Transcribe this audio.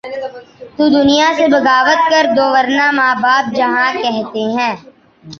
تو دنیا سے بغاوت کر دوورنہ ماں باپ جہاں کہتے ہیں۔